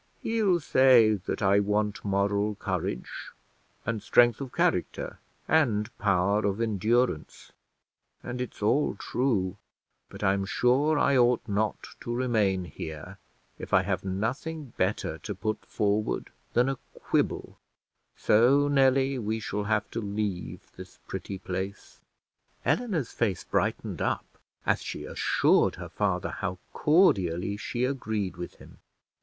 He'll say that I want moral courage, and strength of character, and power of endurance, and it's all true; but I'm sure I ought not to remain here, if I have nothing better to put forward than a quibble: so, Nelly, we shall have to leave this pretty place." Eleanor's face brightened up, as she assured her father how cordially she agreed with him.